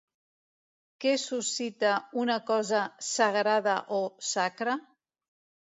Què suscita una cosa "sagrada" o "sacra"?